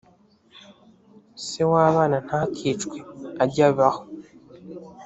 se w abana ntakicwe ajye abaho